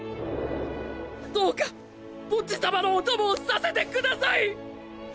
どうかボッジ様のお供をさせてください！